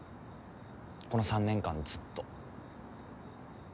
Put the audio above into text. この３年間ずっと。